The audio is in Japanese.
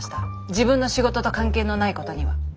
自分の仕事と関係のないことには。